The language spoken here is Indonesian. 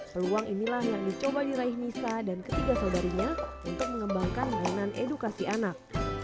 peluang inilah yang dicoba diraih nisa dan ketiga saudarinya untuk mengembangkan mainan edukasi anak